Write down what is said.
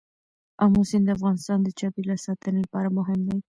آمو سیند د افغانستان د چاپیریال ساتنې لپاره مهم دی.